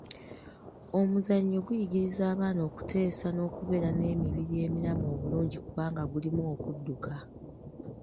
Omuzannyo guyigiriza abaana okuteesa n’okubeera n’emibiri emiramu obulungi kubanga mulimu okudduka.